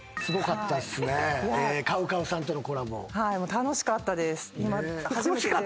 楽しかったです。